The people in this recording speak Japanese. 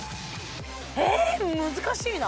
え難しいな。